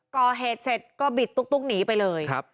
ก่อเหตุเสร็จก็บิดตุ๊กหนีไปเลย